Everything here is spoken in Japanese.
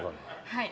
はい。